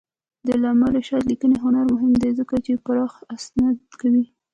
د علامه رشاد لیکنی هنر مهم دی ځکه چې پراخ استناد کوي.